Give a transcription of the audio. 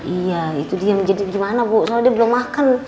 iya itu dia menjadi gimana bu soal dia belum makan